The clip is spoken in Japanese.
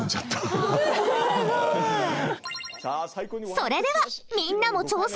それではみんなも挑戦！